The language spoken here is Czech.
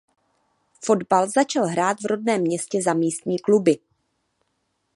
Fotbal začal hrát v rodném městě za místní kluby.